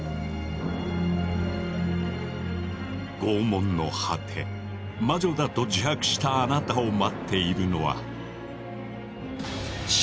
拷問の果て魔女だと自白したあなたを待っているのは死刑の宣告のみ。